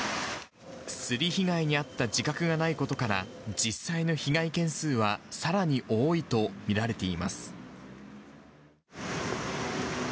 すり被害に遭った自覚がないことから、実際の被害件数はさらに多いと見られています。